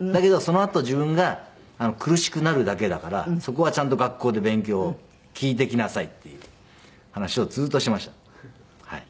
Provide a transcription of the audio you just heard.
だけどそのあと自分が苦しくなるだけだからそこはちゃんと学校で勉強を聞いてきなさいっていう話をずっとしてましたはい。